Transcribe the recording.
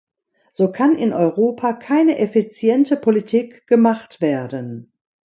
So kann in Europa keine effiziente Politik gemacht werden.